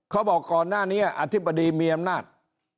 ก่อนหน้านี้อธิบดีมีอำนาจ